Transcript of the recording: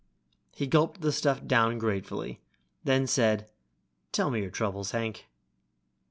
He gulped the stuff down gratefully, then said, "Tell me your troubles, Hank."